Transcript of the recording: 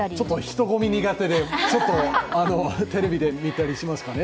人混み苦手で、ちょっとテレビで見たりしますかね。